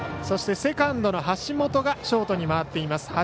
そして、セカンドの橋本がショートに回っています。